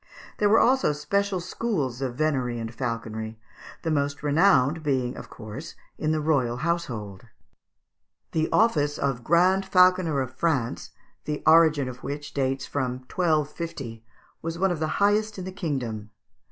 There were also special schools of venery and falconry, the most renowned being of course in the royal household. The office of Grand Falconer of France, the origin of which dates from 1250, was one of the highest in the kingdom.